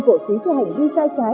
cổ xú cho hành vi sai trái